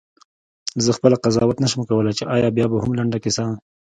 زه خپله قضاوت نه شم کولای چې آیا بیاهم لنډه کیسه.